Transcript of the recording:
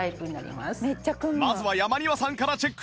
まずは山庭さんからチェック